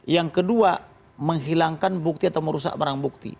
yang kedua menghilangkan bukti atau merusak barang bukti